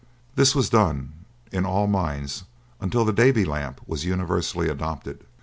This was done in all mines until the Davy lamp was universally adopted.